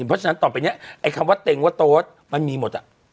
เพราะฉะนั้นต่อไปเนี่ยไอ้คำว่าเต็งว่าโต๊ดมันมีหมด